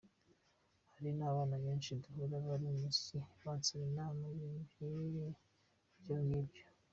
Hari n’abana benshi duhura bari mu muziki bansaba inama, ibintu nk’ibyongibyo.